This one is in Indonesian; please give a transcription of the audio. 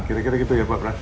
kira kira gitu ya pak pras